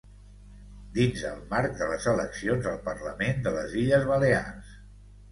Dins el marc de les eleccions al Parlament de les Illes Balears.